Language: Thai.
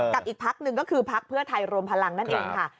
อีกพักหนึ่งก็คือพักเพื่อไทยรวมพลังนั่นเองค่ะ